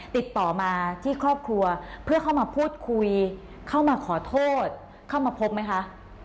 ติดต่อมาที่ครอบครัวเพื่อเข้ามาพูดคุยเข้ามาขอโทษเข้ามาพบไหมคะ